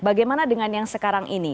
bagaimana dengan yang sekarang ini